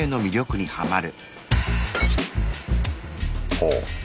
ほう。